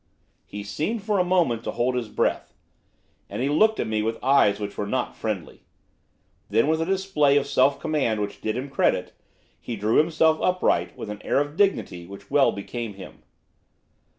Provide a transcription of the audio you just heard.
He seemed, for a moment, to hold his breath, and he looked at me with eyes which were not friendly. Then, with a display of self command which did him credit, he drew himself upright, with an air of dignity which well became him.